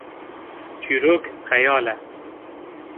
çîrok xeyal e